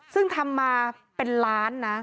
ซึ่งทำมาเป็นล้านนะ